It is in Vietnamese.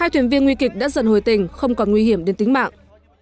hai thuyền viên nguy kịch đã dần hồi tình không còn nguy hiểm đến tính mạng